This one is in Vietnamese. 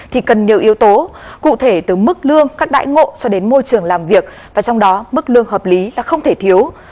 thì cần nhiều yếu tố cụ thể từ mức lương các đại ngộ cho đến môi trường làm việc và trong đó mức lương hợp lý là không thể thiếu